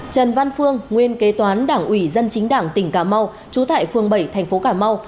trần văn phương nguyên kế toán đảng ủy dân chính đảng tỉnh cà mau trú tại phường bảy thành phố cà mau